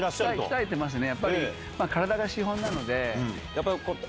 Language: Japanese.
鍛えてますね。